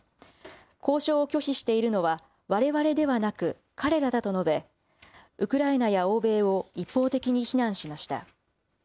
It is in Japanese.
交渉を拒否しているのはわれわれではなく彼らだと述べ、ウクライナや欧米を一方的に非難しました。